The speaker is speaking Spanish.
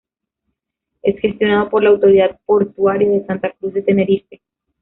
Es gestionado por la Autoridad Portuaria de Santa Cruz de Tenerife.